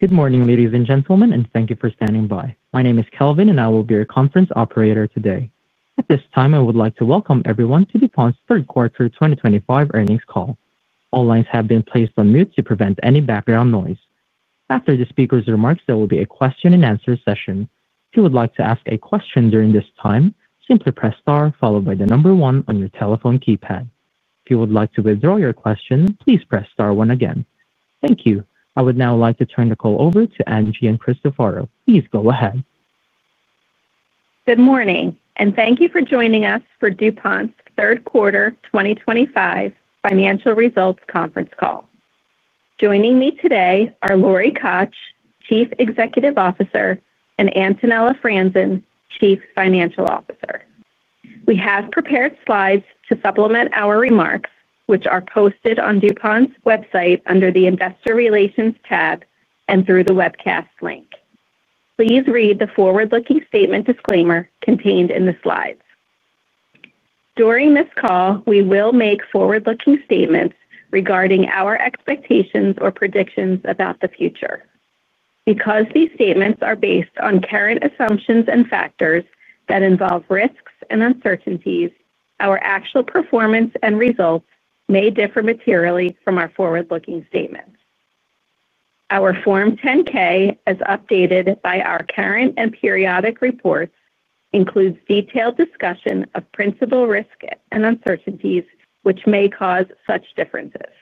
Good morning, ladies and gentlemen, and thank you for standing by. My name is Kelvin, and I will be your conference operator today. At this time, I would like to welcome everyone to DuPont's third quarter 2025 earnings call. All lines have been placed on mute to prevent any background noise. After the speaker's remarks, there will be a question-and-answer session. If you would like to ask a question during this time, simply press star followed by the number one on your telephone keypad. If you would like to withdraw your question, please press star one again. Thank you. I would now like to turn the call over to Ann Gian and Christopher. Please go ahead. Good morning, and thank you for joining us for DuPont's third quarter 2025 financial results conference call. Joining me today are Lori Koch, Chief Executive Officer, and Antonella Franzen, Chief Financial Officer. We have prepared slides to supplement our remarks, which are posted on DuPont's website under the Investor Relations tab and through the webcast link. Please read the forward-looking statement disclaimer contained in the slides. During this call, we will make forward-looking statements regarding our expectations or predictions about the future. Because these statements are based on current assumptions and factors that involve risks and uncertainties, our actual performance and results may differ materially from our forward-looking statements. Our Form 10-K, as updated by our current and periodic reports, includes detailed discussion of principal risk and uncertainties which may cause such differences.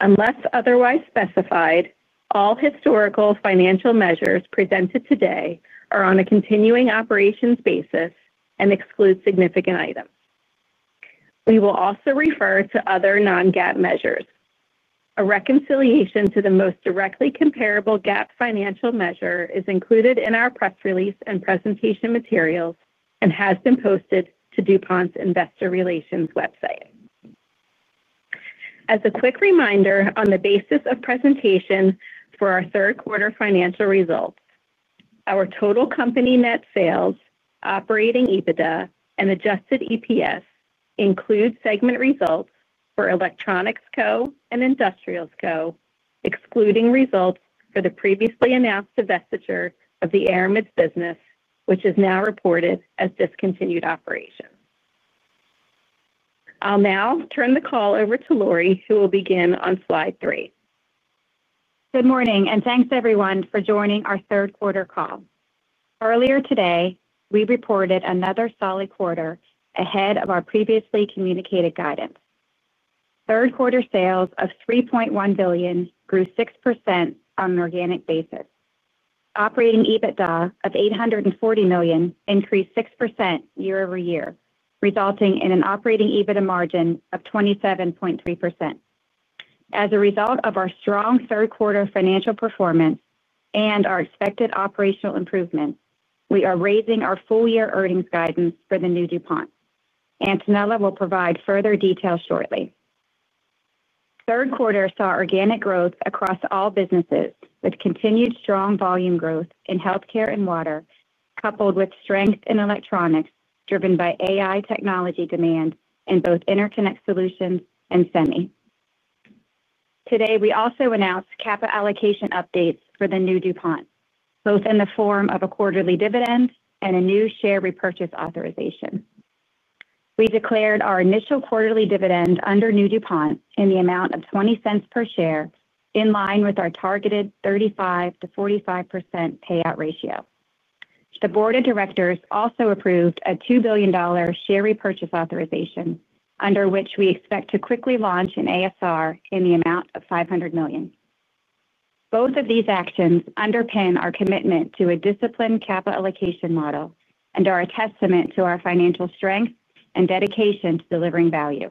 Unless otherwise specified, all historical financial measures presented today are on a continuing operations basis and exclude significant items. We will also refer to other non-GAAP measures. A reconciliation to the most directly comparable GAAP financial measure is included in our press release and presentation materials and has been posted to DuPont's Investor Relations website. As a quick reminder, on the basis of presentation for our third quarter financial results, our total company net sales, operating EBITDA, and adjusted EPS include segment results for Electronics Co. and Industrials Co., excluding results for the previously announced divestiture of the Aramid business, which is now reported as discontinued operations. I'll now turn the call over to Lori, who will begin on slide three. Good morning, and thanks, everyone, for joining our third quarter call. Earlier today, we reported another solid quarter ahead of our previously communicated guidance. Third quarter sales of $3.1 billion grew 6% on an organic basis. Operating EBITDA of $840 million increased 6% year-over-year, resulting in an operating EBITDA margin of 27.3%. As a result of our strong third quarter financial performance and our expected operational improvements, we are raising our full-year earnings guidance for the new DuPont. Antonella will provide further detail shortly. Third quarter saw organic growth across all businesses with continued strong volume growth in healthcare and water, coupled with strength in electronics driven by AI technology demand in both interconnect solutions and semi. Today, we also announced capital allocation updates for the new DuPont, both in the form of a quarterly dividend and a new share repurchase authorization. We declared our initial quarterly dividend under new DuPont in the amount of $0.20 per share, in line with our targeted 35%-45% payout ratio. The board of directors also approved a $2 billion share repurchase authorization, under which we expect to quickly launch an ASR in the amount of $500 million. Both of these actions underpin our commitment to a disciplined capital allocation model and are a testament to our financial strength and dedication to delivering value.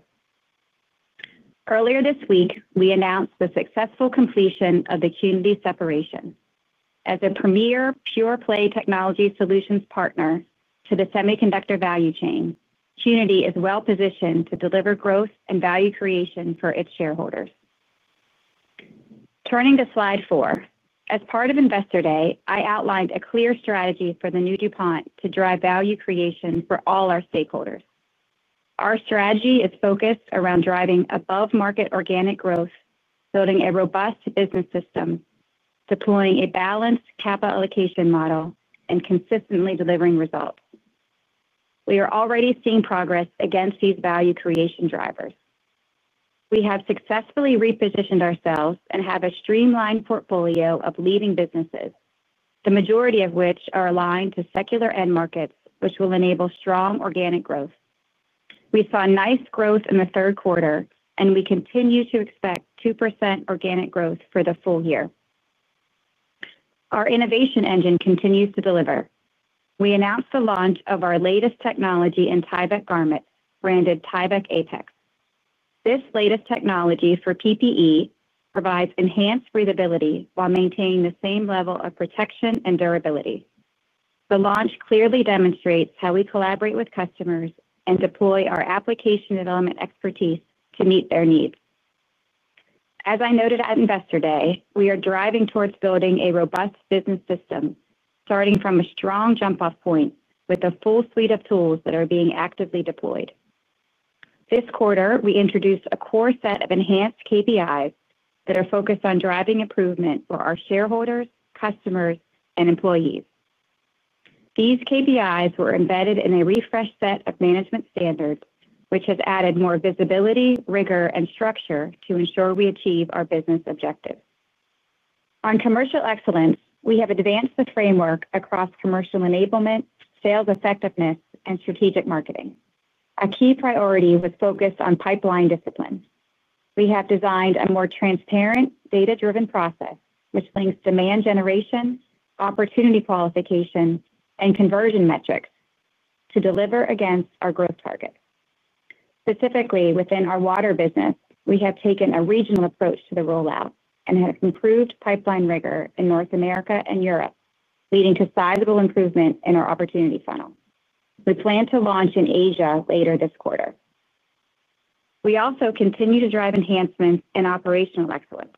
Earlier this week, we announced the successful completion of the CUNY separation. As a premier pure-play technology solutions partner to the semiconductor value chain, CUNY is well-positioned to deliver growth and value creation for its shareholders. Turning to slide four, as part of Investor Day, I outlined a clear strategy for the new DuPont to drive value creation for all our stakeholders. Our strategy is focused around driving above-market organic growth, building a robust business system, deploying a balanced capital allocation model, and consistently delivering results. We are already seeing progress against these value creation drivers. We have successfully repositioned ourselves and have a streamlined portfolio of leading businesses, the majority of which are aligned to secular end markets, which will enable strong organic growth. We saw nice growth in the third quarter, and we continue to expect 2% organic growth for the full year. Our innovation engine continues to deliver. We announced the launch of our latest technology in Tyvek garments, branded Tyvek Apex. This latest technology for PPE provides enhanced breathability while maintaining the same level of protection and durability. The launch clearly demonstrates how we collaborate with customers and deploy our application development expertise to meet their needs. As I noted at Investor Day, we are driving towards building a robust business system, starting from a strong jump-off point with a full suite of tools that are being actively deployed. This quarter, we introduced a core set of enhanced KPIs that are focused on driving improvement for our shareholders, customers, and employees. These KPIs were embedded in a refreshed set of management standards, which has added more visibility, rigor, and structure to ensure we achieve our business objectives. On commercial excellence, we have advanced the framework across commercial enablement, sales effectiveness, and strategic marketing. A key priority was focused on pipeline discipline. We have designed a more transparent, data-driven process, which links demand generation, opportunity qualification, and conversion metrics to deliver against our growth target. Specifically, within our water business, we have taken a regional approach to the rollout and have improved pipeline rigor in North America and Europe, leading to sizable improvement in our opportunity funnel. We plan to launch in Asia later this quarter. We also continue to drive enhancements in operational excellence.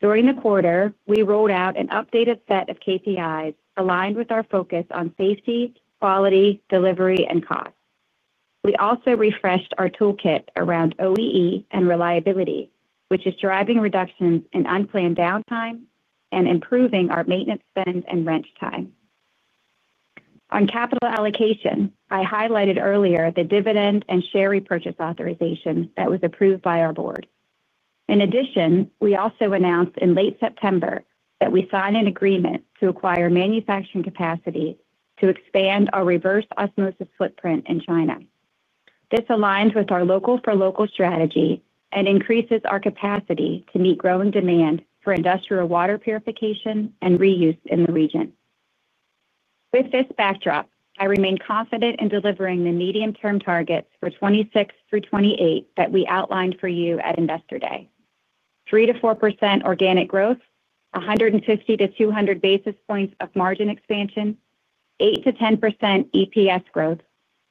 During the quarter, we rolled out an updated set of KPIs aligned with our focus on safety, quality, delivery, and cost. We also refreshed our toolkit around OEE and reliability, which is driving reductions in unplanned downtime and improving our maintenance spend and wrench time. On capital allocation, I highlighted earlier the dividend and share repurchase authorization that was approved by our board. In addition, we also announced in late September that we signed an agreement to acquire manufacturing capacity to expand our reverse osmosis footprint in China. This aligns with our local-for-local strategy and increases our capacity to meet growing demand for industrial water purification and reuse in the region. With this backdrop, I remain confident in delivering the medium-term targets for 2026 through 2028 that we outlined for you at Investor Day: 3%-4% organic growth, 150-200 basis points of margin expansion, 8%-10% EPS growth,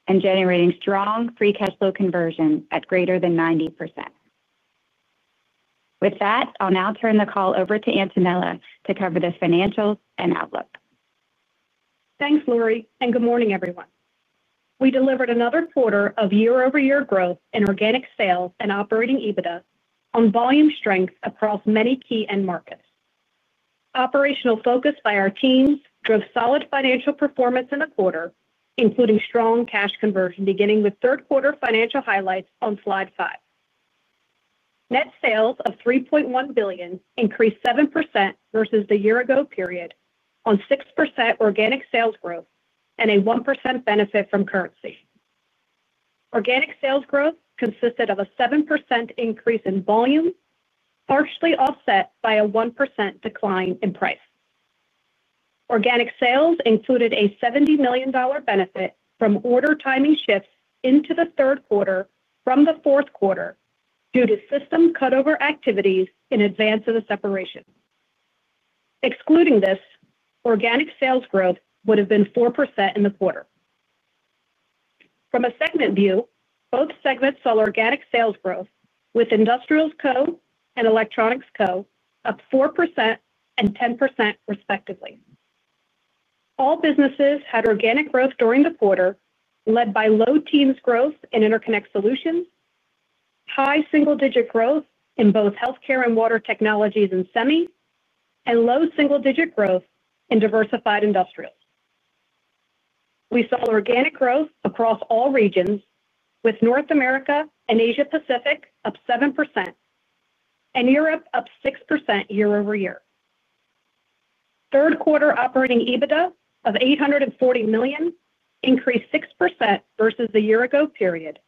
and generating strong free cash flow conversion at greater than 90%. With that, I'll now turn the call over to Antonella to cover the financials and outlook. Thanks, Lori, and good morning, everyone. We delivered another quarter of year-over-year growth in organic sales and operating EBITDA on volume strength across many key end markets. Operational focus by our teams drove solid financial performance in the quarter, including strong cash conversion, beginning with third quarter financial highlights on slide five. Net sales of $3.1 billion increased 7% versus the year-ago period on 6% organic sales growth and a 1% benefit from currency. Organic sales growth consisted of a 7% increase in volume, partially offset by a 1% decline in price. Organic sales included a $70 million benefit from order timing shifts into the third quarter from the fourth quarter due to system cutover activities in advance of the separation. Excluding this, organic sales growth would have been 4% in the quarter. From a segment view, both segments saw organic sales growth with Industrials Co. and Electronics Co. Up 4% and 10%, respectively. All businesses had organic growth during the quarter, led by low teens growth in interconnect solutions, high single-digit growth in both healthcare and water technologies and semi, and low single-digit growth in diversified industrials. We saw organic growth across all regions, with North America and Asia-Pacific up 7% and Europe up 6% year-over-year. Third quarter operating EBITDA of $840 million increased 6% versus the year-ago period,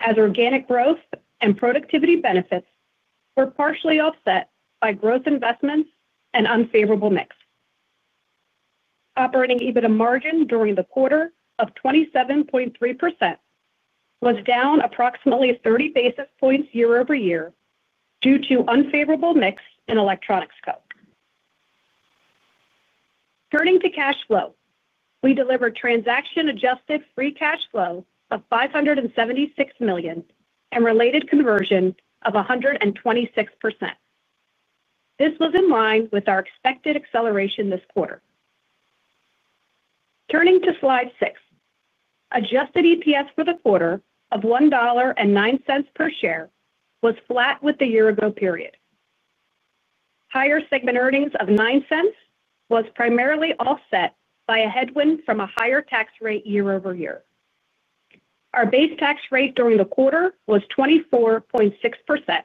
as organic growth and productivity benefits were partially offset by growth investments and unfavorable mix. Operating EBITDA margin during the quarter of 27.3% was down approximately 30 basis points year-over-year due to unfavorable mix in Electronics Co. Turning to cash flow, we delivered transaction-adjusted free cash flow of $576 million and related conversion of 126%. This was in line with our expected acceleration this quarter. Turning to slide six, adjusted EPS for the quarter of $1.09 per share was flat with the year-ago period. Higher segment earnings of $0.09 was primarily offset by a headwind from a higher tax rate year-over-year. Our base tax rate during the quarter was 24.6%.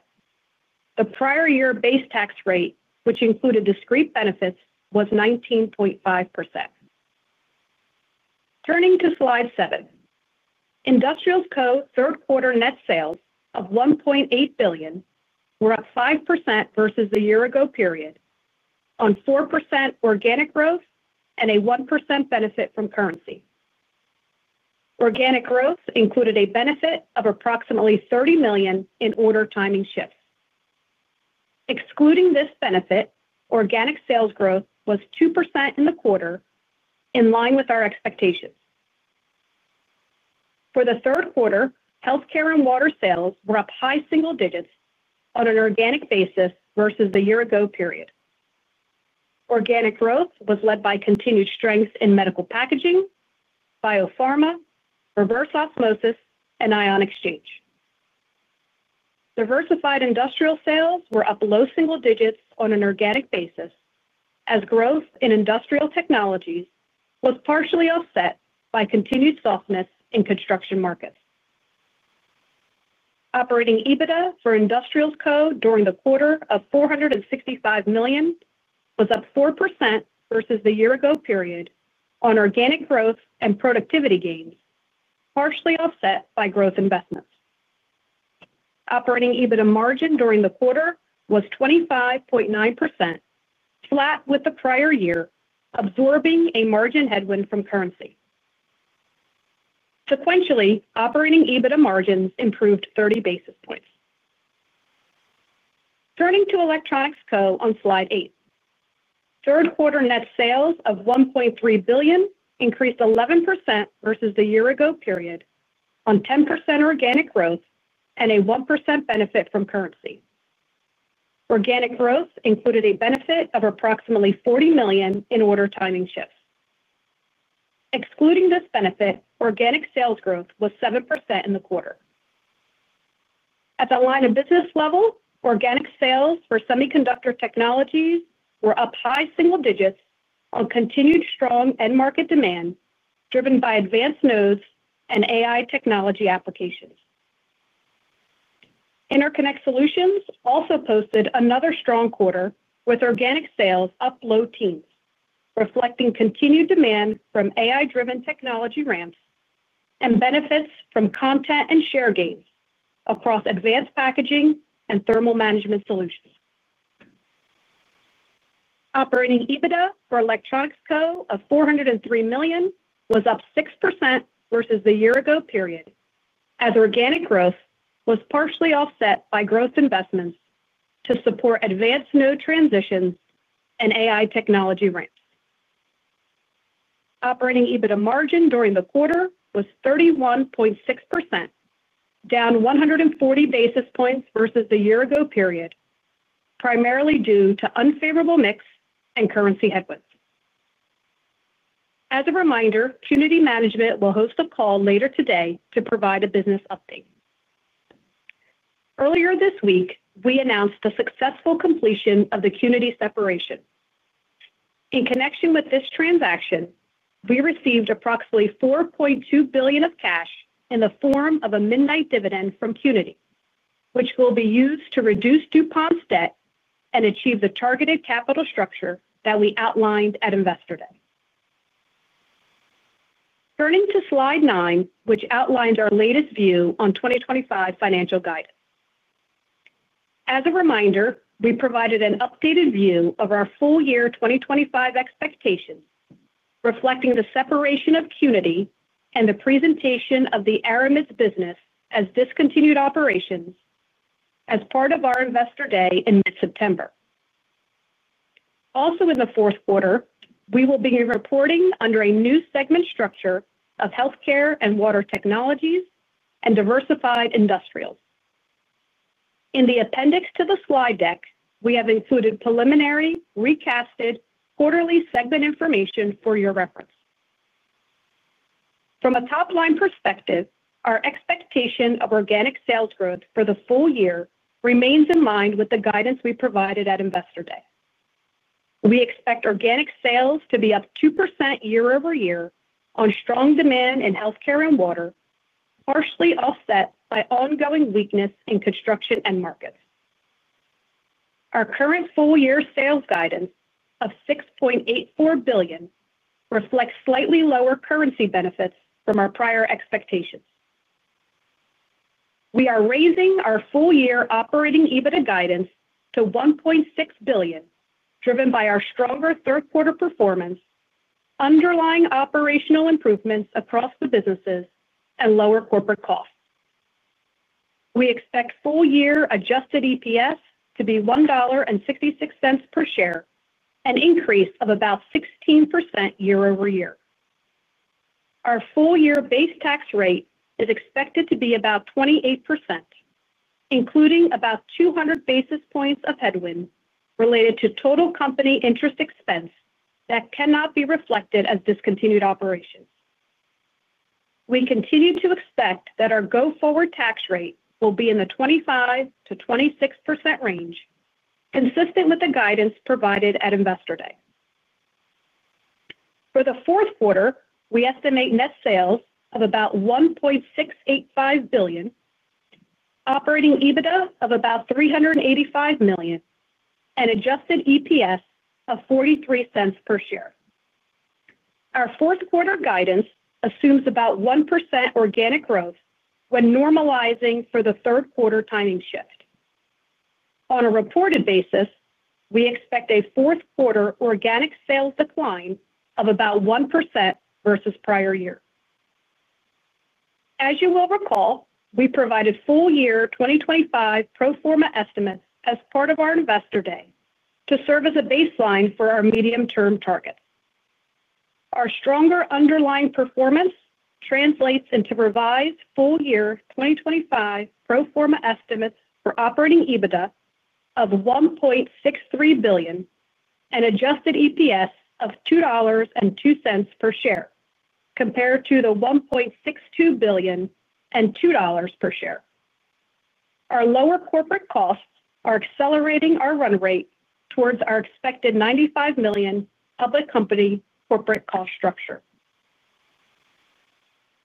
The prior year base tax rate, which included discrete benefits, was 19.5%. Turning to slide seven. Industrials Co. third quarter net sales of $1.8 billion were up 5% versus the year-ago period, on 4% organic growth and a 1% benefit from currency. Organic growth included a benefit of approximately $30 million in order timing shifts. Excluding this benefit, organic sales growth was 2% in the quarter, in line with our expectations. For the third quarter, healthcare and water sales were up high single digits on an organic basis versus the year-ago period. Organic growth was led by continued strength in medical packaging, biopharma, reverse osmosis, and ion exchange. Diversified industrial sales were up low single digits on an organic basis, as growth in industrial technologies was partially offset by continued softness in construction markets. Operating EBITDA for Industrials Co. during the quarter of $465 million was up 4% versus the year-ago period on organic growth and productivity gains, partially offset by growth investments. Operating EBITDA margin during the quarter was 25.9%, flat with the prior year, absorbing a margin headwind from currency. Sequentially, operating EBITDA margins improved 30 basis points. Turning to Electronics Co. on slide eight, third quarter net sales of $1.3 billion increased 11% versus the year-ago period on 10% organic growth and a 1% benefit from currency. Organic growth included a benefit of approximately $40 million in order timing shifts. Excluding this benefit, organic sales growth was 7% in the quarter. At the line of business level, organic sales for semiconductor technologies were up high single digits on continued strong end market demand driven by advanced nodes and AI technology applications. Interconnect solutions also posted another strong quarter with organic sales up low teens, reflecting continued demand from AI-driven technology ramps and benefits from content and share gains across advanced packaging and thermal management solutions. Operating EBITDA for Electronics Co. of $403 million was up 6% versus the year-ago period, as organic growth was partially offset by growth investments to support advanced node transitions and AI technology ramps. Operating EBITDA margin during the quarter was 31.6%, down 140 basis points versus the year-ago period, primarily due to unfavorable mix and currency headwinds. As a reminder, CUNY Management will host a call later today to provide a business update. Earlier this week, we announced the successful completion of the CUNY separation. In connection with this transaction, we received approximately $4.2 billion of cash in the form of a midnight dividend from CUNY, which will be used to reduce DuPont's debt and achieve the targeted capital structure that we outlined at Investor Day. Turning to slide nine, which outlined our latest view on 2025 financial guidance. As a reminder, we provided an updated view of our full year 2025 expectations, reflecting the separation of CUNY and the presentation of the Aramid business as discontinued operations as part of our Investor Day in mid-September. Also, in the fourth quarter, we will be reporting under a new segment structure of healthcare and water technologies and diversified industrials. In the appendix to the slide deck, we have included preliminary, recasted, quarterly segment information for your reference. From a top-line perspective, our expectation of organic sales growth for the full year remains in line with the guidance we provided at Investor Day. We expect organic sales to be up 2% year-over-year on strong demand in healthcare and water, partially offset by ongoing weakness in construction end markets. Our current full year sales guidance of $6.84 billion reflects slightly lower currency benefits from our prior expectations. We are raising our full year operating EBITDA guidance to $1.6 billion, driven by our stronger third quarter performance, underlying operational improvements across the businesses, and lower corporate costs. We expect full year adjusted EPS to be $1.66 per share, an increase of about 16% year-over-year. Our full year base tax rate is expected to be about 28%, including about 200 basis points of headwind related to total company interest expense that cannot be reflected as discontinued operations. We continue to expect that our go-forward tax rate will be in the 25%-26% range, consistent with the guidance provided at Investor Day. For the fourth quarter, we estimate net sales of about $1.685 billion, operating EBITDA of about $385 million, and adjusted EPS of $0.43 per share. Our fourth quarter guidance assumes about 1% organic growth when normalizing for the third quarter timing shift. On a reported basis, we expect a fourth quarter organic sales decline of about 1% versus prior year. As you will recall, we provided full year 2025 pro forma estimates as part of our Investor Day to serve as a baseline for our medium-term targets. Our stronger underlying performance translates into revised full year 2025 pro forma estimates for operating EBITDA of $1.63 billion and adjusted EPS of $2.02 per share, compared to the $1.62 billion and $2 per share. Our lower corporate costs are accelerating our run rate towards our expected $95 million public company corporate cost structure.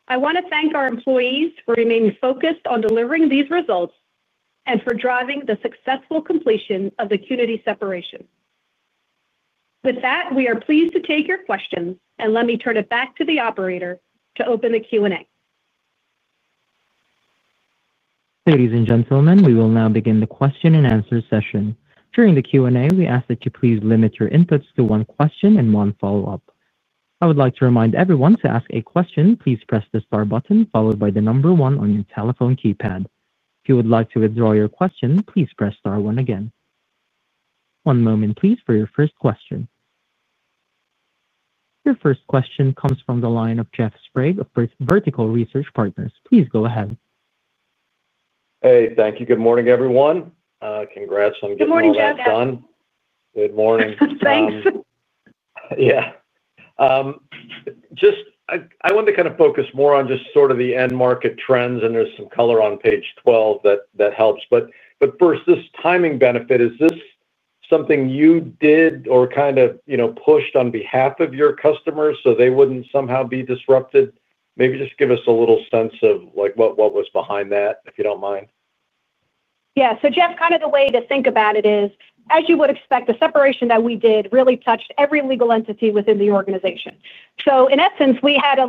I want to thank our employees for remaining focused on delivering these results and for driving the successful completion of the CUNY separation. With that, we are pleased to take your questions, and let me turn it back to the operator to open the Q&A. Ladies and gentlemen, we will now begin the question and answer session. During the Q&A, we ask that you please limit your inputs to one question and one follow-up. I would like to remind everyone to ask a question, please press the star button followed by the number one on your telephone keypad. If you would like to withdraw your question, please press star one again. One moment, please, for your first question. Your first question comes from the line of Jeff Sprague of Vertical Research Partners. Please go ahead. Hey, thank you. Good morning, everyone. Congrats on getting that done. Good morning, Jeff. Good morning. Thanks. Yeah. I just wanted to kind of focus more on just sort of the end market trends, and there's some color on page 12 that helps. First, this timing benefit, is this something you did or kind of pushed on behalf of your customers so they wouldn't somehow be disrupted? Maybe just give us a little sense of what was behind that, if you don't mind. Yeah. Jeff, kind of the way to think about it is, as you would expect, the separation that we did really touched every legal entity within the organization. In essence, we had to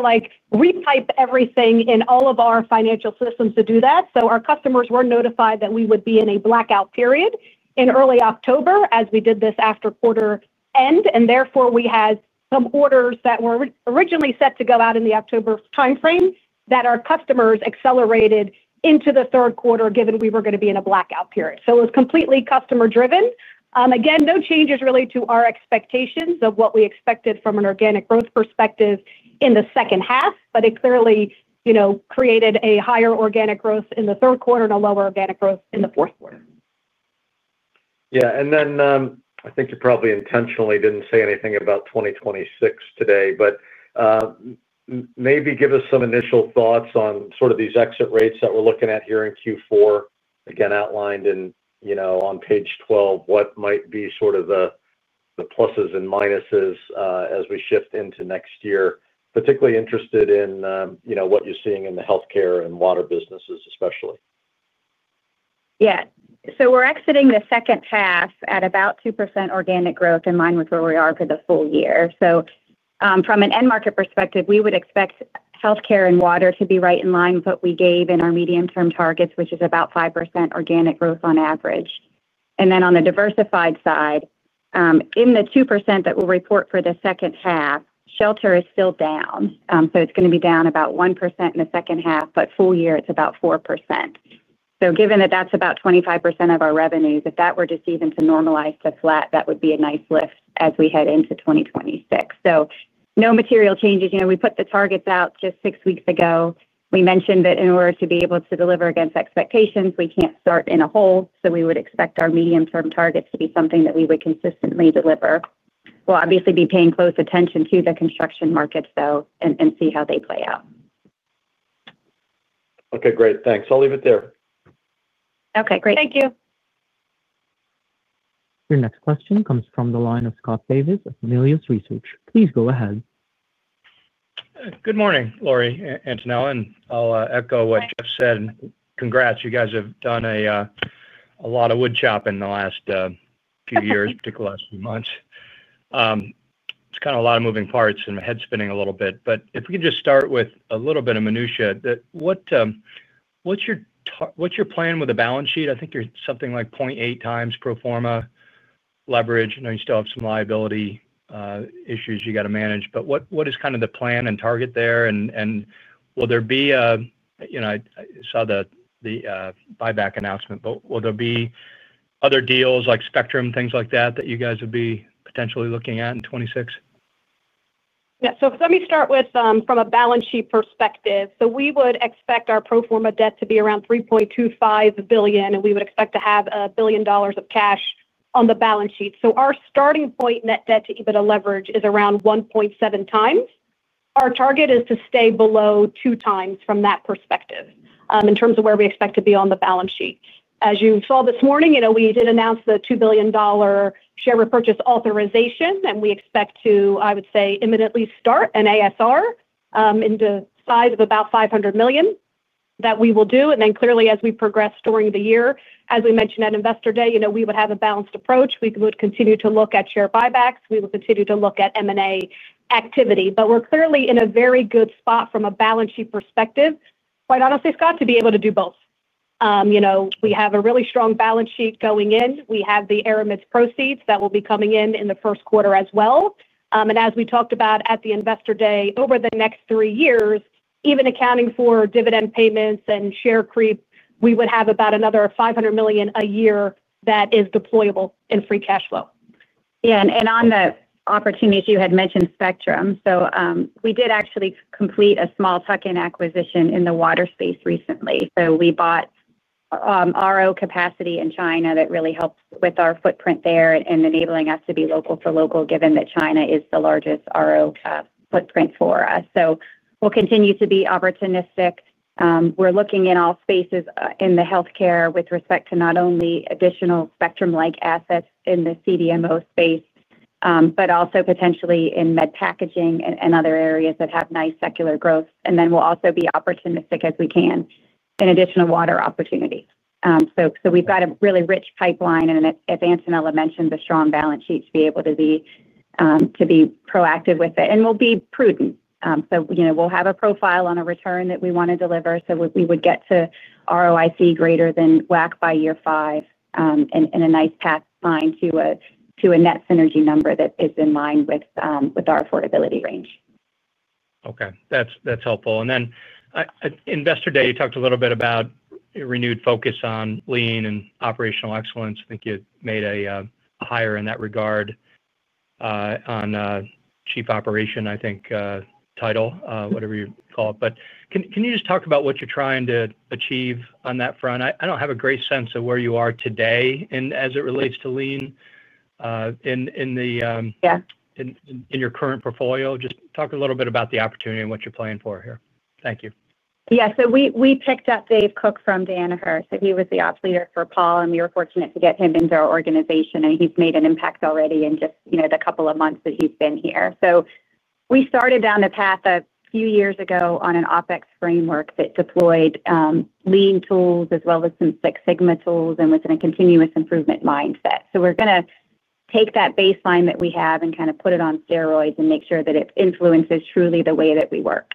retype everything in all of our financial systems to do that. Our customers were notified that we would be in a blackout period in early October as we did this after quarter end. Therefore, we had some orders that were originally set to go out in the October timeframe that our customers accelerated into the third quarter, given we were going to be in a blackout period. It was completely customer-driven. Again, no changes really to our expectations of what we expected from an organic growth perspective in the second half, but it clearly created a higher organic growth in the third quarter and a lower organic growth in the fourth quarter. Yeah. I think you probably intentionally did not say anything about 2026 today, but maybe give us some initial thoughts on sort of these exit rates that we are looking at here in Q4, again, outlined on page 12. What might be the pluses and minuses as we shift into next year? Particularly interested in what you are seeing in the healthcare and water businesses, especially. Yeah. We're exiting the second half at about 2% organic growth in line with where we are for the full year. From an end market perspective, we would expect healthcare and water to be right in line with what we gave in our medium-term targets, which is about 5% organic growth on average. On the diversified side, in the 2% that we'll report for the second half, shelter is still down. It's going to be down about 1% in the second half, but full year, it's about 4%. Given that that's about 25% of our revenues, if that were just even to normalize to flat, that would be a nice lift as we head into 2026. No material changes. We put the targets out just six weeks ago. We mentioned that in order to be able to deliver against expectations, we can't start in a hole. So we would expect our medium-term targets to be something that we would consistently deliver. We'll obviously be paying close attention to the construction markets, though, and see how they play out. Okay. Great. Thanks. I'll leave it there. Okay. Great. Thank you. Your next question comes from the line of Scott Davis of Melius Research. Please go ahead. Good morning, Lori and Antonella. I'll echo what Jeff said. Congrats. You guys have done a lot of wood chopping in the last few years, particularly the last few months. It's kind of a lot of moving parts and head spinning a little bit. If we can just start with a little bit of minutia, what's your plan with the balance sheet? I think you're something like 0.8x pro forma leverage. I know you still have some liability issues you got to manage. What is kind of the plan and target there? I saw the buyback announcement, but will there be other deals like Spectrum, things like that, that you guys would be potentially looking at in 2026? Yeah. Let me start from a balance sheet perspective. We would expect our pro forma debt to be around $3.25 billion, and we would expect to have $1 billion of cash on the balance sheet. Our starting point net debt to EBITDA leverage is around 1.7x. Our target is to stay below 2x from that perspective in terms of where we expect to be on the balance sheet. As you saw this morning, we did announce the $2 billion share repurchase authorization, and we expect to, I would say, imminently start an ASR in the size of about $500 million that we will do. Clearly, as we progress during the year, as we mentioned at Investor Day, we would have a balanced approach. We would continue to look at share buybacks. We will continue to look at M&A activity. We're clearly in a very good spot from a balance sheet perspective, quite honestly, Scott, to be able to do both. We have a really strong balance sheet going in. We have the Aramid proceeds that will be coming in in the first quarter as well. As we talked about at the Investor Day, over the next three years, even accounting for dividend payments and share creep, we would have about another $500 million a year that is deployable in free cash flow. Yeah. On the opportunities, you had mentioned Spectrum, so we did actually complete a small tuck-in acquisition in the water space recently. We bought RO capacity in China that really helped with our footprint there and enabling us to be local for local, given that China is the largest RO footprint for us. We will continue to be opportunistic. We are looking in all spaces in healthcare with respect to not only additional Spectrum-like assets in the CDMO space, but also potentially in medical packaging and other areas that have nice secular growth. We will also be opportunistic as we can in additional water opportunities. We have got a really rich pipeline, and as Antonella mentioned, the strong balance sheet to be able to be proactive with it. We will be prudent. We will have a profile on a return that we want to deliver. We would get to ROIC greater than WACC by year five. A nice path line to a net synergy number that is in line with our affordability range. Okay. That's helpful. You talked a little bit about a renewed focus on lean and operational excellence at Investor Day. I think you made a hire in that regard. Chief Operations, I think, title, whatever you call it. Can you just talk about what you're trying to achieve on that front? I don't have a great sense of where you are today as it relates to lean in your current portfolio. Just talk a little bit about the opportunity and what you're playing for here. Thank you. Yeah. So we picked up Dave Cook from Danaher. He was the ops leader for Pall, and we were fortunate to get him into our organization. He's made an impact already in just the couple of months that he's been here. We started down the path a few years ago on an OpEx framework that deployed lean tools as well as some Six Sigma tools and was in a continuous improvement mindset. We're going to take that baseline that we have and kind of put it on steroids and make sure that it influences truly the way that we work.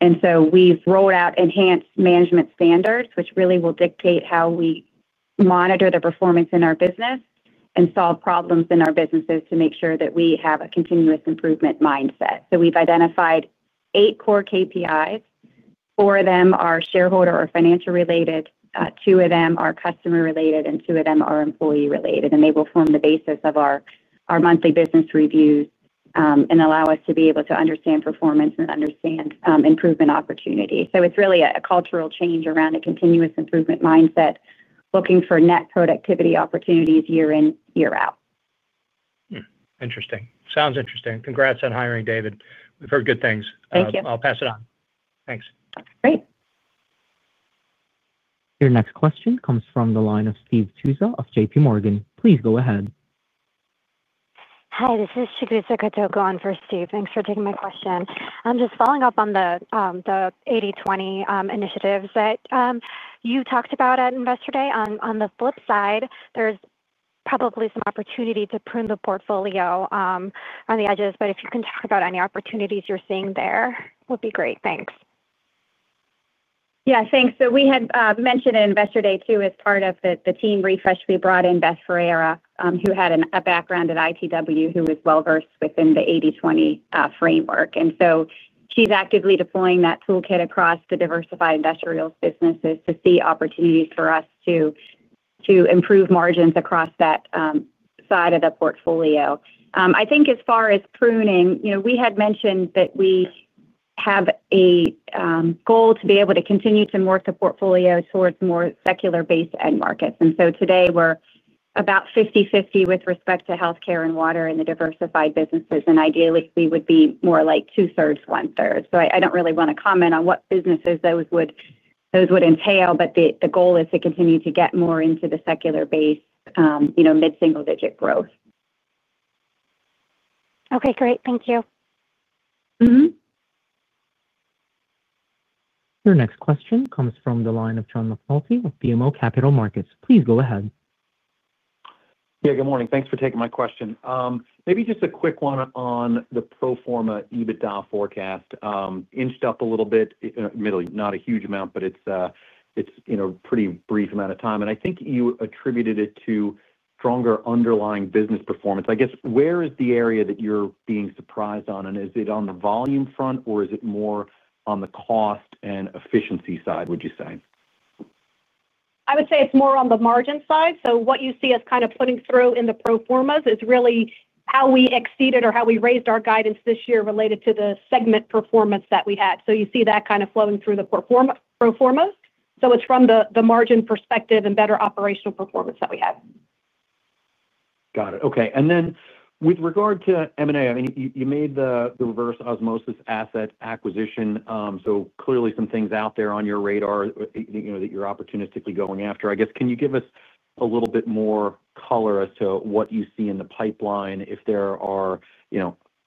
We've rolled out enhanced management standards, which really will dictate how we monitor the performance in our business and solve problems in our businesses to make sure that we have a continuous improvement mindset. We've identified eight core KPIs. Four of them are shareholder or financial-related, two of them are customer-related, and two of them are employee-related. They will form the basis of our monthly business reviews and allow us to be able to understand performance and understand improvement opportunity. It is really a cultural change around a continuous improvement mindset, looking for net productivity opportunities year in, year out. Interesting. Sounds interesting. Congrats on hiring, Dave. We've heard good things. Thank you. I'll pass it on. Thanks. Great. Your next question comes from the line of Steve Tusa of JPMorgan. Please go ahead. Hi. This is Shigeru Sakato going for Steve. Thanks for taking my question. I'm just following up on the 80/20 initiatives that you talked about at Investor Day. On the flip side, there's probably some opportunity to prune the portfolio on the edges. If you can talk about any opportunities you're seeing there, it would be great. Thanks. Yeah. Thanks. We had mentioned at Investor Day, too, as part of the team refresh, we brought in Beth Ferreira, who had a background in ITW, who was well-versed within the 80/20 framework. She's actively deploying that toolkit across the diversified industrials businesses to see opportunities for us to improve margins across that side of the portfolio. I think as far as pruning, we had mentioned that we have a goal to be able to continue to morph the portfolio towards more secular-based end markets. Today, we're about 50/50 with respect to healthcare and water and the diversified businesses. Ideally, we would be more like 2/3, 1/3. I do not really want to comment on what businesses those would entail, but the goal is to continue to get more into the secular-based mid-single-digit growth. Okay. Great. Thank you. Your next question comes from the line of John Patrick of BMO Capital Markets. Please go ahead. Yeah. Good morning. Thanks for taking my question. Maybe just a quick one on the pro forma EBITDA forecast. Inched up a little bit. Not a huge amount, but it's in a pretty brief amount of time. I think you attributed it to stronger underlying business performance. I guess, where is the area that you're being surprised on? Is it on the volume front, or is it more on the cost and efficiency side, would you say? I would say it's more on the margin side. What you see us kind of putting through in the pro formas is really how we exceeded or how we raised our guidance this year related to the segment performance that we had. You see that kind of flowing through the pro formas. It's from the margin perspective and better operational performance that we have. Got it. Okay. And then with regard to M&A, I mean, you made the reverse osmosis asset acquisition. So clearly, some things out there on your radar that you're opportunistically going after. I guess, can you give us a little bit more color as to what you see in the pipeline? If there are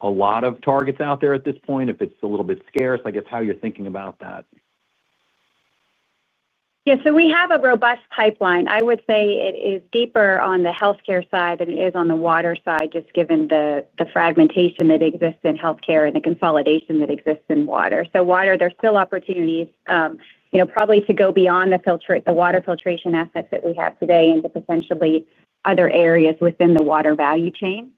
a lot of targets out there at this point, if it's a little bit scarce, I guess, how you're thinking about that? Yeah. We have a robust pipeline. I would say it is deeper on the healthcare side than it is on the water side, just given the fragmentation that exists in healthcare and the consolidation that exists in water. Water, there's still opportunities, probably to go beyond the water filtration assets that we have today into potentially other areas within the water value chain.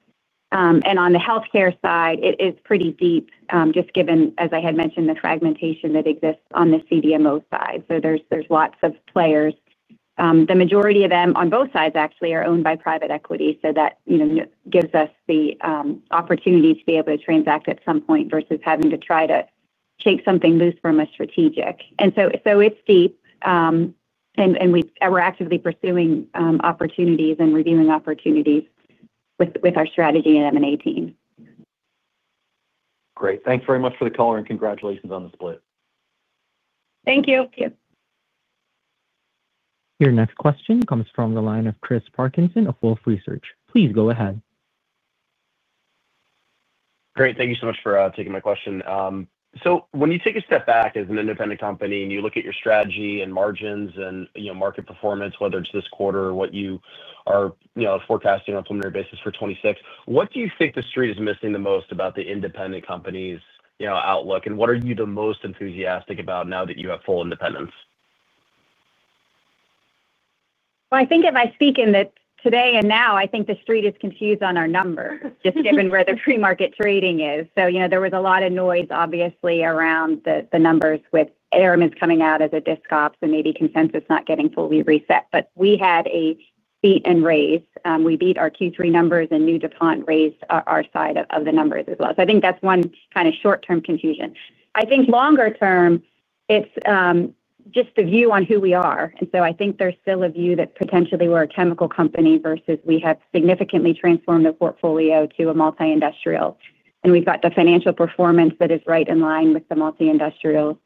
On the healthcare side, it is pretty deep, just given, as I had mentioned, the fragmentation that exists on the CDMO side. There's lots of players. The majority of them on both sides, actually, are owned by private equity. That gives us the opportunity to be able to transact at some point versus having to try to take something loose from a strategic. It is deep, and we're actively pursuing opportunities and reviewing opportunities with our strategy and M&A team. Great. Thanks very much for the call, and congratulations on the split. Thank you. Your next question comes from the line of Chris Parkinson of Wolfe Research. Please go ahead. Great. Thank you so much for taking my question. When you take a step back as an independent company and you look at your strategy and margins and market performance, whether it is this quarter or what you are forecasting on a preliminary basis for 2026, what do you think the street is missing the most about the independent company's outlook? What are you the most enthusiastic about now that you have full independence? I think if I speak in the today and now, I think the street is confused on our numbers, just given where the pre-market trading is. There was a lot of noise, obviously, around the numbers with Aramid is coming out as a disc ops and maybe consensus not getting fully reset. We had a beat and raise. We beat our Q3 numbers, and DuPont raised our side of the numbers as well. I think that's one kind of short-term confusion. I think longer term, it's just the view on who we are. I think there's still a view that potentially we're a chemical company versus we have significantly transformed the portfolio to a multi-industrial. We've got the financial performance that is right in line with the multi-industrial.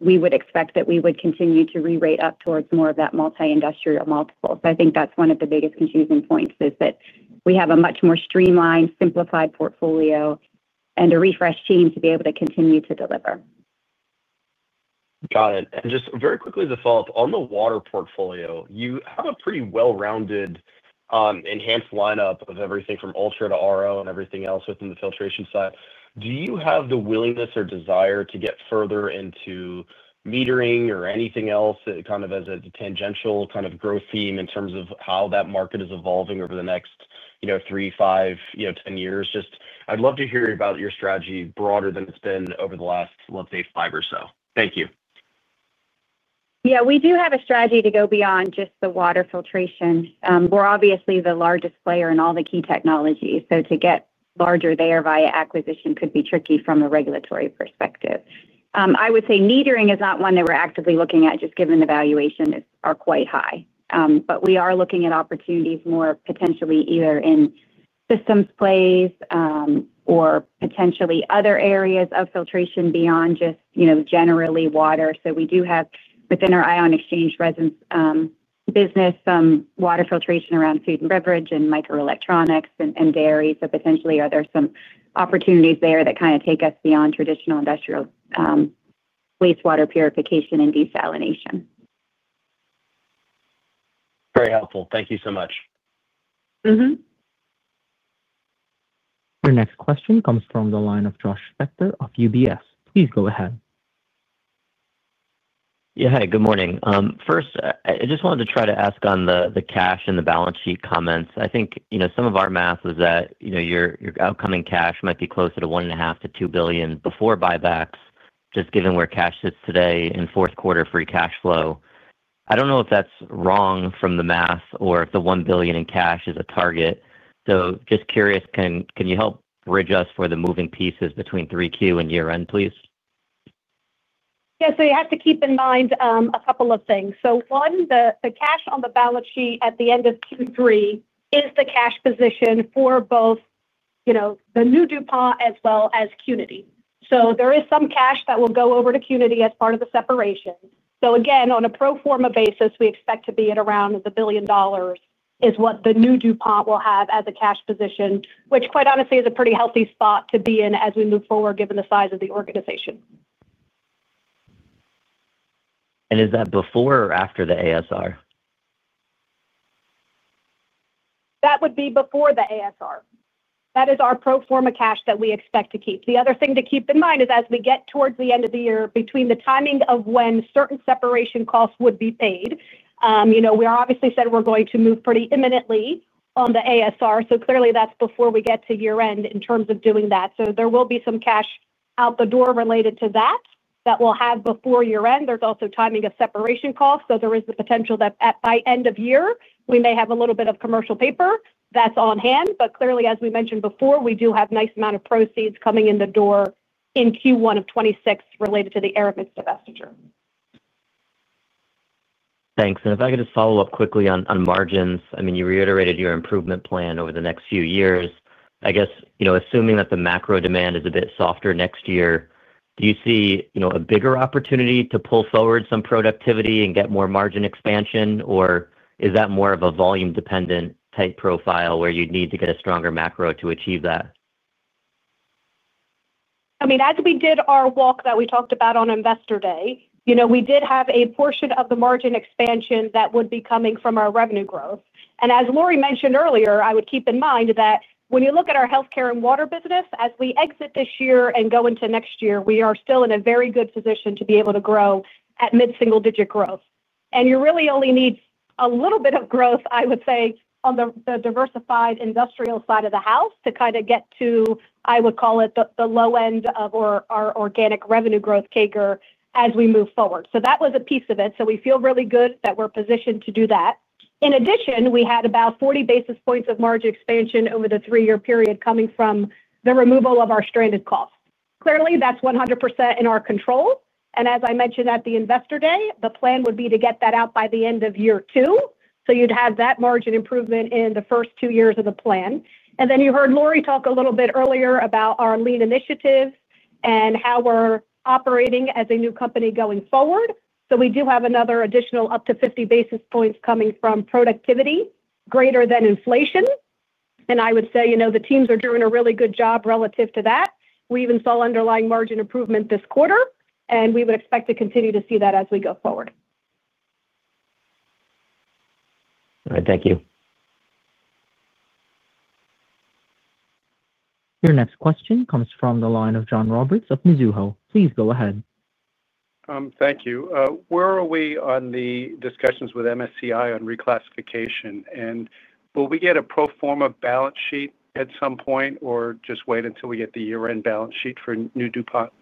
We would expect that we would continue to re-rate up towards more of that multi-industrial multiple. I think that's one of the biggest confusing points is that we have a much more streamlined, simplified portfolio and a refreshed team to be able to continue to deliver. Got it. Just very quickly as a follow-up, on the water portfolio, you have a pretty well-rounded, enhanced lineup of everything from ultra to RO and everything else within the filtration side. Do you have the willingness or desire to get further into metering or anything else kind of as a tangential kind of growth theme in terms of how that market is evolving over the next three, five, 10 years? I'd love to hear about your strategy broader than it's been over the last, let's say, five or so. Thank you. Yeah. We do have a strategy to go beyond just the water filtration. We're obviously the largest player in all the key technologies. To get larger there via acquisition could be tricky from a regulatory perspective. I would say metering is not one that we're actively looking at, just given the valuations are quite high. We are looking at opportunities more potentially either in systems plays or potentially other areas of filtration beyond just generally water. We do have within our ion exchange resins business some water filtration around food and beverage and microelectronics and dairy. Potentially, are there some opportunities there that kind of take us beyond traditional industrial wastewater purification and desalination? Very helpful. Thank you so muc Your next question comes from the line of Josh Spector of UBS. Please go ahead. Yeah. Hi. Good morning. First, I just wanted to try to ask on the cash and the balance sheet comments. I think some of our math was that your outcoming cash might be closer to $1.5 billion-$2 billion before buybacks, just given where cash sits today in fourth quarter free cash flow. I don't know if that's wrong from the math or if the $1 billion in cash is a target. Just curious, can you help bridge us for the moving pieces between 3Q and year-end, please? Yeah. You have to keep in mind a couple of things. One, the cash on the balance sheet at the end of Q3 is the cash position for both the new DuPont as well as CUNY. There is some cash that will go over to CUNY as part of the separation. Again, on a pro forma basis, we expect to be at around $1 billion, which is what the new DuPont will have as a cash position, which, quite honestly, is a pretty healthy spot to be in as we move forward, given the size of the organization. Is that before or after the ASR? That would be before the ASR. That is our pro forma cash that we expect to keep. The other thing to keep in mind is as we get towards the end of the year, between the timing of when certain separation costs would be paid, we obviously said we're going to move pretty imminently on the ASR. Clearly, that's before we get to year-end in terms of doing that. There will be some cash out the door related to that that we'll have before year-end. There's also timing of separation costs. There is the potential that by end of year, we may have a little bit of commercial paper that's on hand. Clearly, as we mentioned before, we do have a nice amount of proceeds coming in the door in Q1 of 2026 related to the Aramid's divestiture. Thanks. If I could just follow up quickly on margins, I mean, you reiterated your improvement plan over the next few years. I guess, assuming that the macro demand is a bit softer next year, do you see a bigger opportunity to pull forward some productivity and get more margin expansion, or is that more of a volume-dependent type profile where you'd need to get a stronger macro to achieve that? I mean, as we did our walk that we talked about on Investor Day, we did have a portion of the margin expansion that would be coming from our revenue growth. As Lori mentioned earlier, I would keep in mind that when you look at our healthcare and water business, as we exit this year and go into next year, we are still in a very good position to be able to grow at mid-single-digit growth. You really only need a little bit of growth, I would say, on the diversified industrial side of the house to kind of get to, I would call it, the low end of our organic revenue growth CAGR as we move forward. That was a piece of it. We feel really good that we're positioned to do that. In addition, we had about 40 basis points of margin expansion over the three-year period coming from the removal of our stranded costs. Clearly, that's 100% in our control. As I mentioned at the Investor Day, the plan would be to get that out by the end of year two. You'd have that margin improvement in the first two years of the plan. You heard Lori talk a little bit earlier about our lean initiatives and how we're operating as a new company going forward. We do have another additional up to 50 basis points coming from productivity greater than inflation. I would say the teams are doing a really good job relative to that. We even saw underlying margin improvement this quarter, and we would expect to continue to see that as we go forward. All right. Thank you. Your next question comes from the line of John Roberts of Mizuho. Please go ahead. Thank you. Where are we on the discussions with MSCI on reclassification? Will we get a pro forma balance sheet at some point, or just wait until we get the year-end balance sheet for new DuPont?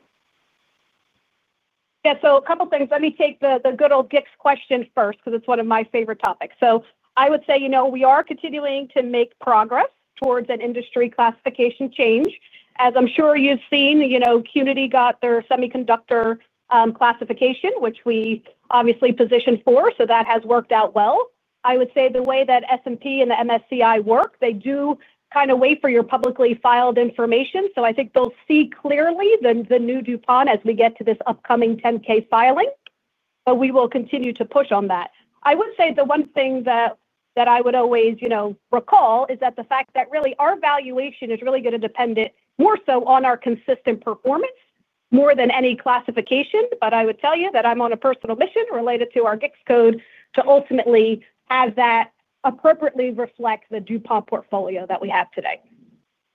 Yeah. So a couple of things. Let me take the good old Dick's question first because it's one of my favorite topics. I would say we are continuing to make progress towards an industry classification change. As I'm sure you've seen, CUNY got their semiconductor classification, which we obviously positioned for. That has worked out well. I would say the way that S&P and the MSCI work, they do kind of wait for your publicly filed information. I think they'll see clearly the new DuPont as we get to this upcoming Form 10-K filing. We will continue to push on that. I would say the one thing that I would always recall is that the fact that really our valuation is really going to depend more so on our consistent performance more than any classification. I would tell you that I'm on a personal mission related to our GICS' code to ultimately have that appropriately reflect the DuPont portfolio that we have today.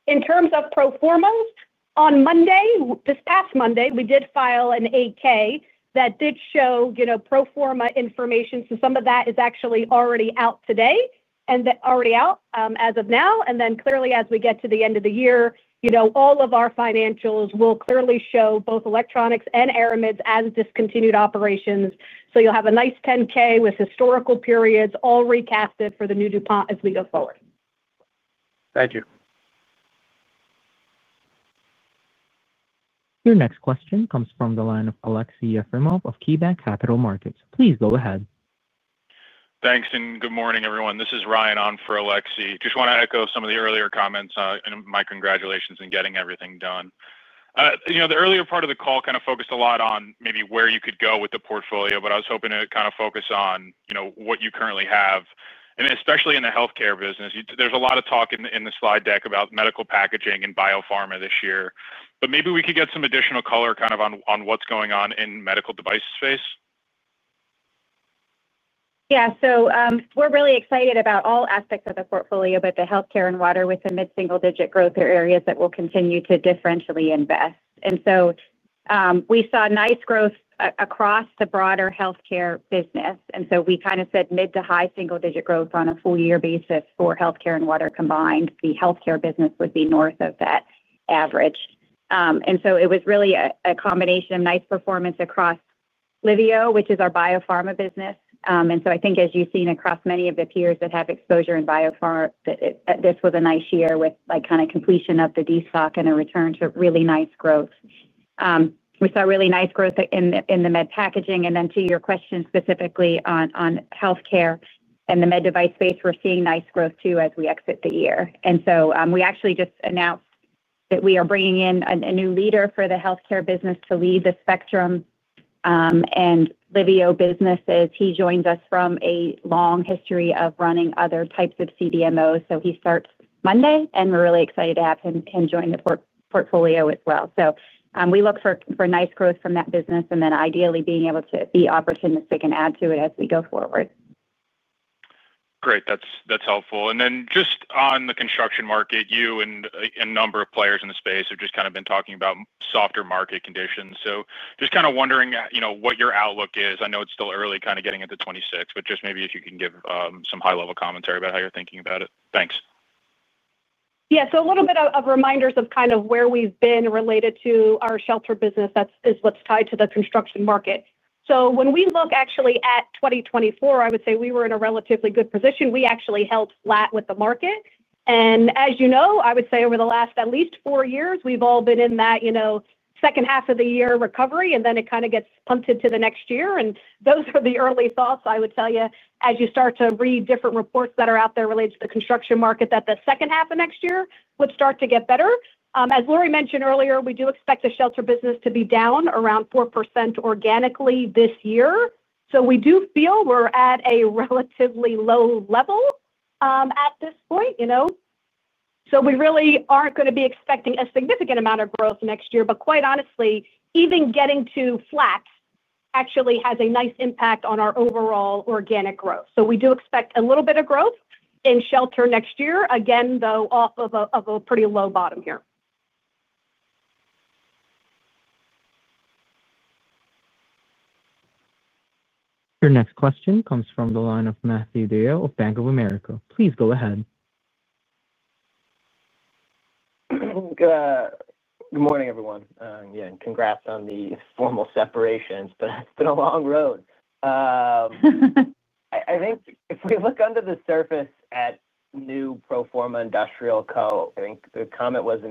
In terms of pro formas, on Monday, this past Monday, we did file an 8-K that did show pro forma information. Some of that is actually already out today and already out as of now. Clearly, as we get to the end of the year, all of our financials will clearly show both electronics and Aramids as discontinued operations. You'll have a nice 10-K with historical periods all recasted for the new DuPont as we go forward. Thank you. Your next question comes from the line of Alexei Yefremov of KeyBanc Capital Markets. Please go ahead. Thanks. And good morning, everyone. This is Ryan on for Alexei. Just want to echo some of the earlier comments and my congratulations in getting everything done. The earlier part of the call kind of focused a lot on maybe where you could go with the portfolio, but I was hoping to kind of focus on what you currently have. Especially in the healthcare business, there's a lot of talk in the slide deck about medical packaging and biopharma this year. Maybe we could get some additional color kind of on what's going on in the medical device space. Yeah. We are really excited about all aspects of the portfolio, but the healthcare and water within mid-single-digit growth areas that will continue to differentially invest. We saw nice growth across the broader healthcare business. We kind of said mid to high single-digit growth on a full-year basis for healthcare and water combined. The healthcare business would be north of that average. It was really a combination of nice performance across Liveo, which is our biopharma business. I think, as you have seen across many of the peers that have exposure in biopharma, this was a nice year with kind of completion of the DSOC and a return to really nice growth. We saw really nice growth in the medical packaging. To your question specifically on healthcare and the med device space, we're seeing nice growth too as we exit the year. We actually just announced that we are bringing in a new leader for the healthcare business to lead the Spectrum and Liveo businesses. He joins us from a long history of running other types of CDMOs. He starts Monday, and we're really excited to have him join the portfolio as well. We look for nice growth from that business and then ideally being able to be opportunistic and add to it as we go forward. Great. That's helpful. And then just on the construction market, you and a number of players in the space have just kind of been talking about softer market conditions. Just kind of wondering what your outlook is. I know it's still early kind of getting into 2026, but just maybe if you can give some high-level commentary about how you're thinking about it. Thanks. Yeah. So a little bit of reminders of kind of where we've been related to our shelter business. That is what's tied to the construction market. When we look actually at 2024, I would say we were in a relatively good position. We actually held flat with the market. As you know, I would say over the last at least four years, we've all been in that. Second half of the year recovery, and then it kind of gets punted to the next year. Those are the early thoughts, I would tell you, as you start to read different reports that are out there related to the construction market that the second half of next year would start to get better. As Lori mentioned earlier, we do expect the shelter business to be down around 4% organically this year. We do feel we're at a relatively low level at this point. We really aren't going to be expecting a significant amount of growth next year. Quite honestly, even getting to flat actually has a nice impact on our overall organic growth. We do expect a little bit of growth in shelter next year, again, though, off of a pretty low bottom here. Your next question comes from the line of Matthew DeYoe of Bank of America. Please go ahead. Good morning, everyone. Yeah. And congrats on the formal separations, but it's been a long road. I think if we look under the surface at new pro forma industrial coat, I think the comment was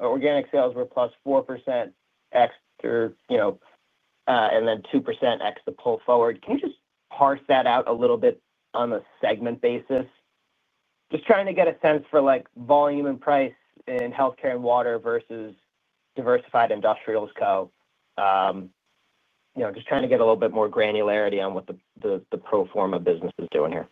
organic sales were plus 4%. Extra. And then 2% ex the pull forward. Can you just parse that out a little bit on a segment basis? Just trying to get a sense for volume and price in healthcare and water versus diversified industrials coat. Just trying to get a little bit more granularity on what the pro forma business is doing here.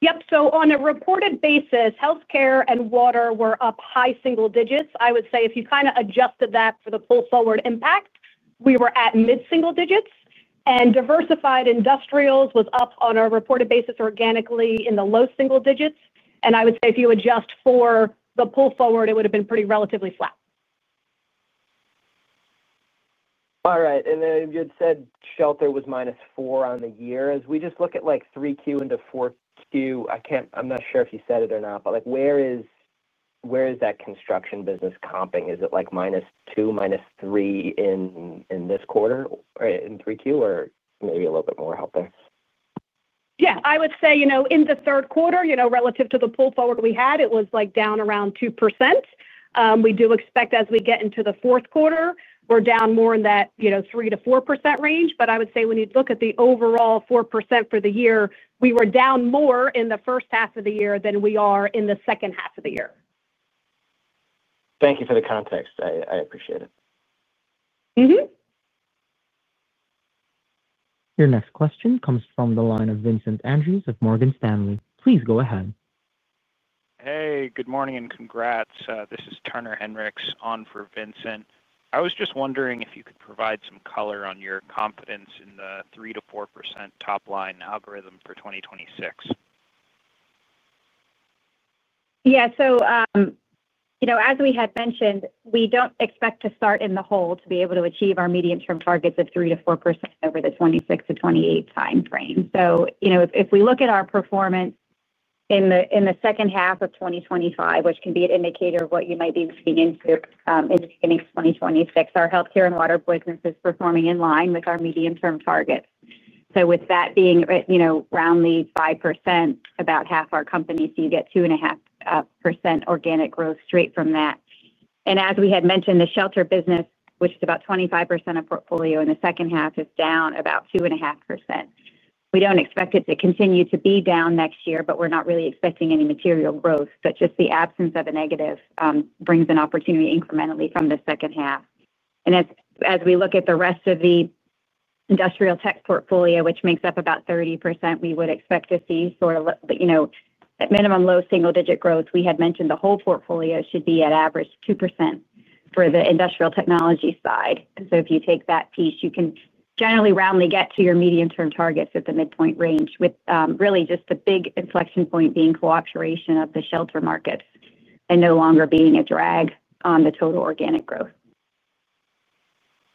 Yep. On a reported basis, healthcare and water were up high single digits. I would say if you kind of adjusted that for the pull forward impact, we were at mid-single digits. Diversified industrials was up on a reported basis organically in the low single digits. I would say if you adjust for the pull forward, it would have been pretty relatively flat. All right. You had said shelter was minus 4 on the year. As we just look at 3Q into 4Q, I'm not sure if you said it or not, but where is that construction business comping? Is it -2,-3 in this quarter in 3Q, or maybe a little bit more out there? Yeah. I would say in the third quarter, relative to the pull forward we had, it was down around 2%. We do expect as we get into the fourth quarter, we're down more in that 3%-4% range. I would say when you look at the overall 4% for the year, we were down more in the first half of the year than we are in the second half of the year. Thank you for the context. I appreciate it. Your next question comes from the line of Vincent Andrews of Morgan Stanley. Please go ahead. Hey, good morning and congrats. This is Turner Hinrichs on for Vincent. I was just wondering if you could provide some color on your confidence in the 3%-4% top line algorithm for 2026. Yeah. As we had mentioned, we do not expect to start in the hole to be able to achieve our medium-term targets of 3%-4% over the 2026 to 2028 timeframe. If we look at our performance in the second half of 2025, which can be an indicator of what you might be looking into in the beginning of 2026, our healthcare and water business is performing in line with our medium-term targets. With that being around the 5%, about half our companies, you get 2.5% organic growth straight from that. As we had mentioned, the shelter business, which is about 25% of portfolio in the second half, is down about 2.5%. We do not expect it to continue to be down next year, but we are not really expecting any material growth. Just the absence of a negative brings an opportunity incrementally from the second half. As we look at the rest of the industrial tech portfolio, which makes up about 30%, we would expect to see sort of minimum low single-digit growth. We had mentioned the whole portfolio should be at average 2% for the industrial technology side. If you take that piece, you can generally roundly get to your medium-term targets at the midpoint range, with really just the big inflection point being cooperation of the shelter markets and no longer being a drag on the total organic growth.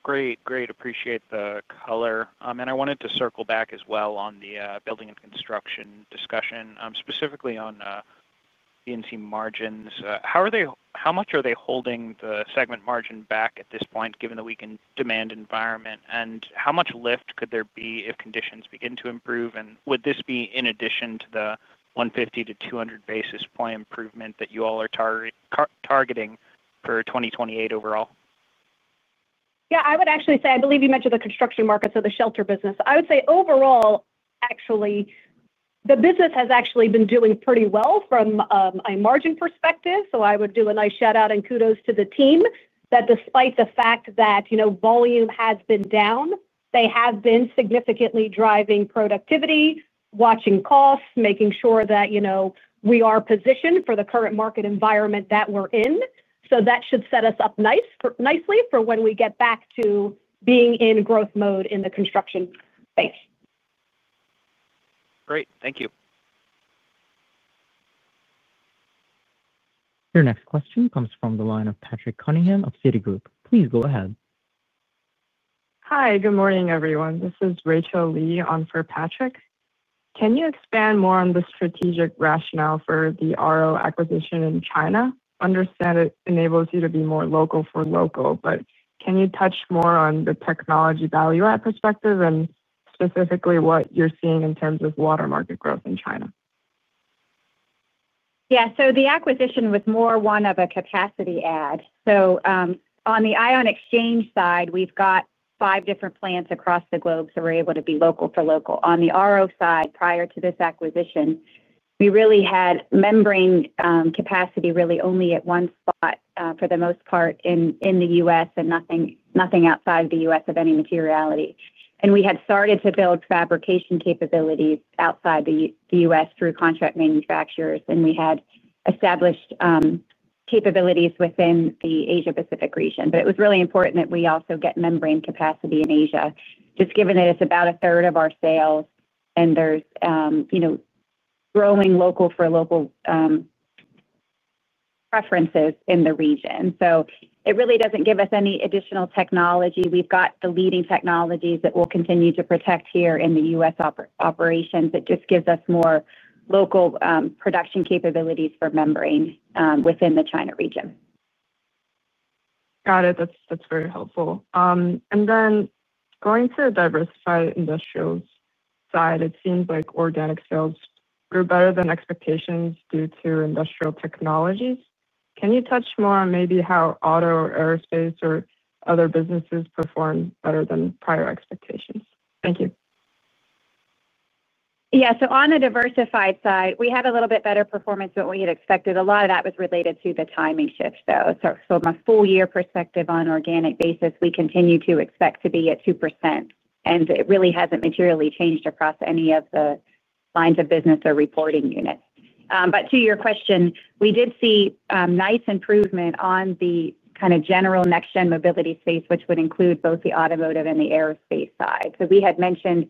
Great. Great. Appreciate the color. I wanted to circle back as well on the building and construction discussion, specifically on the NC margins. How much are they holding the segment margin back at this point, given the weakened demand environment? How much lift could there be if conditions begin to improve? Would this be in addition to the 150-200 basis point improvement that you all are targeting for 2028 overall? Yeah. I would actually say I believe you mentioned the construction market, so the shelter business. I would say overall, actually, the business has actually been doing pretty well from a margin perspective. I would do a nice shout-out and kudos to the team that despite the fact that volume has been down, they have been significantly driving productivity, watching costs, making sure that we are positioned for the current market environment that we're in. That should set us up nicely for when we get back to being in growth mode in the construction space. Great. Thank you. Your next question comes from the line of Patrick Cunningham of Citigroup. Please go ahead. Hi. Good morning, everyone. This is Rachel Lee on for Patrick. Can you expand more on the strategic rationale for the RO acquisition in China? Understand it enables you to be more local for local, but can you touch more on the technology value-add perspective and specifically what you're seeing in terms of water market growth in China? Yeah. The acquisition was more one of a capacity add. On the ion exchange side, we've got five different plants across the globe, so we're able to be local for local. On the RO side, prior to this acquisition, we really had membrane capacity only at one spot for the most part in the U.S. and nothing outside of the U.S. of any materiality. We had started to build fabrication capabilities outside the U.S. through contract manufacturers, and we had established capabilities within the Asia-Pacific region. It was really important that we also get membrane capacity in Asia, just given that it's about a third of our sales and there are growing local for local preferences in the region. It really does not give us any additional technology. We've got the leading technologies that we'll continue to protect here in the U.S. operations. It just gives us more local production capabilities for membrane within the China region. Got it. That's very helpful. Going to the diversified industrials side, it seems like organic sales grew better than expectations due to industrial technologies. Can you touch more on maybe how auto or aerospace or other businesses performed better than prior expectations? Thank you. Yeah. On the diversified side, we had a little bit better performance than what we had expected. A lot of that was related to the timing shift, though. From a full-year perspective on an organic basis, we continue to expect to be at 2%. It really has not materially changed across any of the lines of business or reporting units. To your question, we did see nice improvement on the kind of general next-gen mobility space, which would include both the automotive and the aerospace side. We had mentioned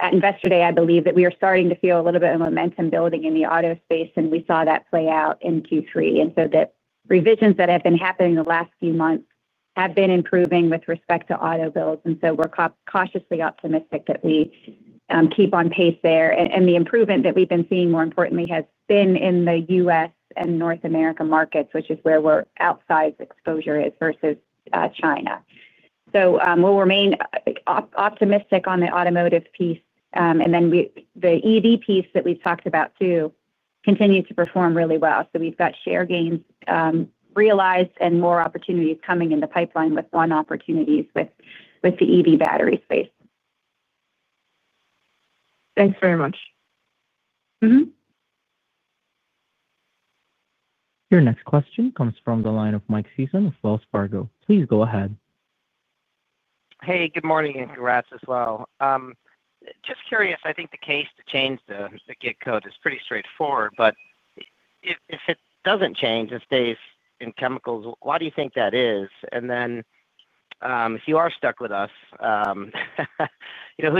at Investor Day, I believe, that we are starting to feel a little bit of momentum building in the auto space, and we saw that play out in Q3. The revisions that have been happening the last few months have been improving with respect to auto builds. We are cautiously optimistic that we keep on pace there. The improvement that we have been seeing, more importantly, has been in the U.S. and North America markets, which is where our outside exposure is versus China. We will remain optimistic on the automotive piece. The EV piece that we have talked about too continues to perform really well. We have got share gains realized and more opportunities coming in the pipeline with opportunities with the EV battery space. Thanks very much. Your next question comes from the line of Mike Sison of Wells Fargo. Please go ahead. Hey, good morning and congrats as well. Just curious, I think the case to change the GICS code is pretty straightforward, but if it doesn't change and stays in chemicals, why do you think that is? If you are stuck with us, who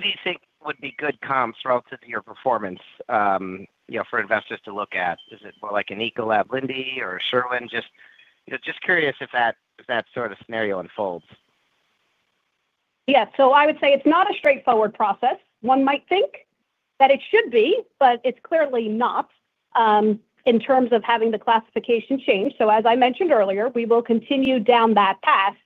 do you think would be good comps relative to your performance for investors to look at? Is it more like an Ecolab, Linde, or Sherwin? Just curious if that sort of scenario unfolds. Yeah. I would say it's not a straightforward process. One might think that it should be, but it's clearly not. In terms of having the classification change, as I mentioned earlier, we will continue down that path.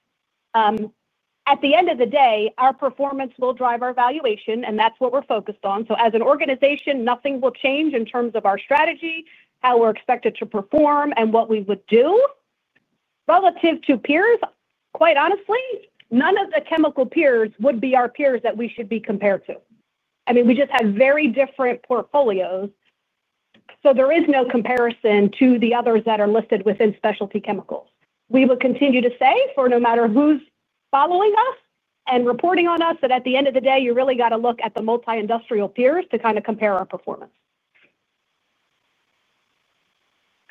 At the end of the day, our performance will drive our valuation, and that's what we're focused on. As an organization, nothing will change in terms of our strategy, how we're expected to perform, and what we would do. Relative to peers, quite honestly, none of the chemical peers would be our peers that we should be compared to. I mean, we just have very different portfolios. There is no comparison to the others that are listed within specialty chemicals. We would continue to say for no matter who's following us and reporting on us that at the end of the day, you really got to look at the multi-industrial peers to kind of compare our performance.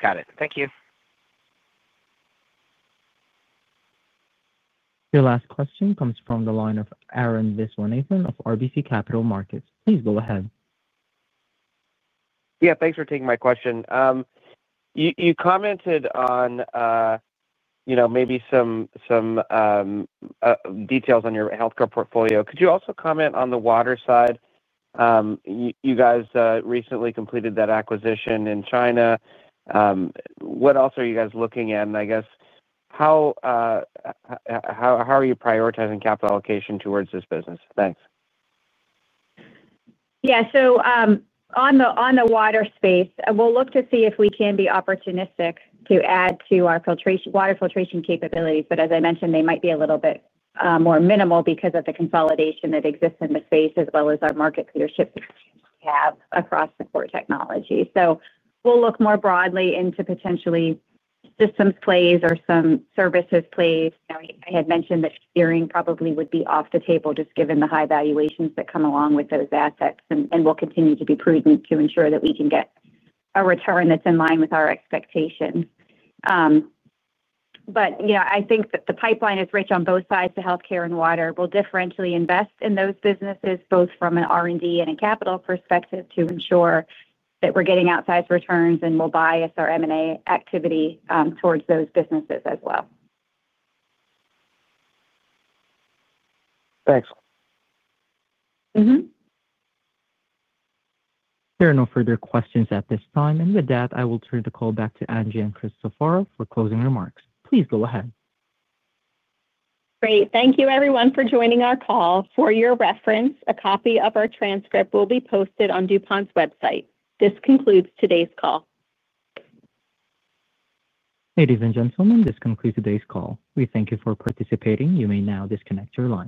Got it. Thank you. Your last question comes from the line of Arun Viswanathan of RBC Capital Markets. Please go ahead. Yeah. Thanks for taking my question. You commented on, maybe, some details on your healthcare portfolio. Could you also comment on the water side? You guys recently completed that acquisition in China. What else are you guys looking at? I guess, how are you prioritizing capital allocation towards this business? Thanks. Yeah. On the water space, we'll look to see if we can be opportunistic to add to our water filtration capabilities. As I mentioned, they might be a little bit more minimal because of the consolidation that exists in the space as well as our market leadership we have across the core technology. We'll look more broadly into potentially systems plays or some services plays. I had mentioned that steering probably would be off the table just given the high valuations that come along with those assets. We'll continue to be prudent to ensure that we can get a return that's in line with our expectations. I think that the pipeline is rich on both sides, the healthcare and water. We'll differentially invest in those businesses, both from an R&D and a capital perspective, to ensure that we're getting outsized returns and we'll bias our M&A activity towards those businesses as well. Thanks. There are no further questions at this time. With that, I will turn the call back to Ann Gian and Christopher for closing remarks. Please go ahead. Great. Thank you, everyone, for joining our call. For your reference, a copy of our transcript will be posted on DuPont's website. This concludes today's call. Ladies and gentlemen, this concludes today's call. We thank you for participating. You may now disconnect your line.